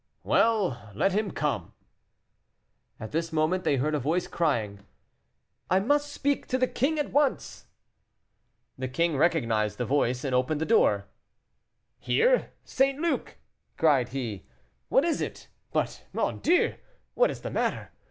"Well, let him come." At this moment they heard a voice crying, "I must speak to the king at once!" The king recognized the voice, and opened the door. "Here, St. Luc!" cried he. "What is it? But, mon Dieu! what is the matter?